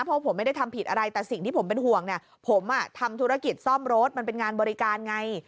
เพราะผมไม่ได้ทำผิดอะไรแต่สิ่งที่ผมเป็นห่วงเนี่ยผมทำธุรกิจซ่อมรถมันเป็นงานบริการไง